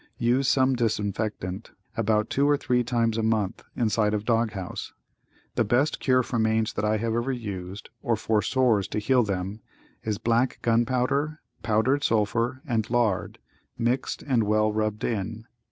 Use some disinfectant about two or three times a month inside of dog house. The best cure for mange that I have ever used, or for sores to heal them is black gun powder, powdered sulphur and lard, mixed and well rubbed in.